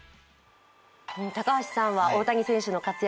高橋さんは大谷選手の活躍